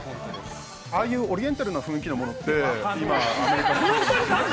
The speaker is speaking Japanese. ◆ああいうオリエンタルの雰囲気のもとって。